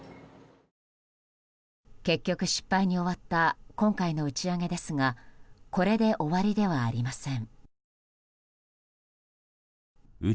結局、失敗に終わった今回の打ち上げですがこれで終わりではありません。